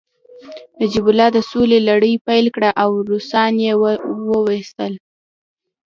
نجیب الله د سولې لړۍ پیل کړه او روسان يې وويستل